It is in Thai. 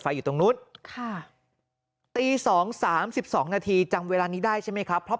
อยู่ตรงนู้นค่ะตี๒๓๒นาทีจำเวลานี้ได้ใช่ไหมครับเพราะ